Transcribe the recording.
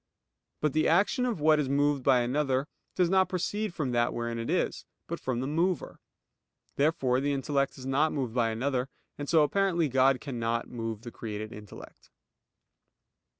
But the action of what is moved by another does not proceed from that wherein it is; but from the mover. Therefore the intellect is not moved by another; and so apparently God cannot move the created intellect.